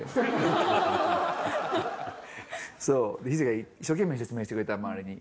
ＨＩＤＥが一生懸命説明してくれた周りに。